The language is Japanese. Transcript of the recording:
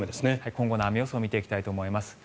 今後の雨予想を見ていきたいと思います。